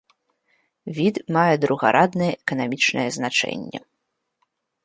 Від мае другараднае эканамічнае значэнне.